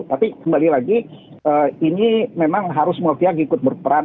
tapi kembali lagi ini memang harus mafia ikut berperan